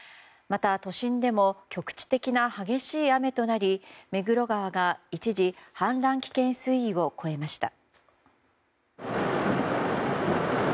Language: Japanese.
また、都心でも局地的な激しい雨となり目黒川が一時氾濫危険水位を超えました。